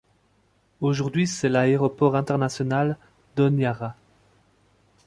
Aujourd'hui c'est l'Aéroport international d'Honiara.